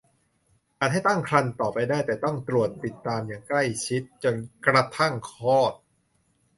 อาจให้ตั้งครรภ์ต่อไปได้แต่ต้องตรวจติดตามอย่างใกล้ชิดจนกระทั่งคลอด